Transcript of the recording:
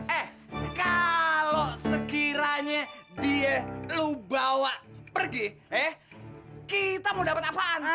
eh kalau sekiranya dia lu bawa pergi eh kita mau dapat apaan